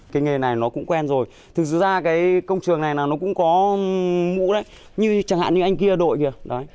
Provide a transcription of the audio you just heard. cái nghề này nó cũng quen rồi thực ra cái công trường này nó cũng có mũ đấy như chẳng hạn như anh kia đội kìa